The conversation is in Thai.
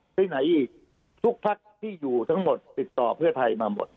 ซึ่งไหนอีกทุกพักที่อยู่ทั้งหมดติดต่อเพื่อไทยมาหมด